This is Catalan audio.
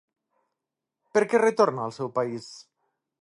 Per què retorna al seu país?